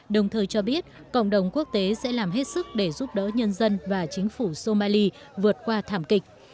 đồng thời cho biết cộng đồng quốc tế sẽ làm hết sức để giúp đỡ nhân dân và chính phủ somali vượt qua thảm kịch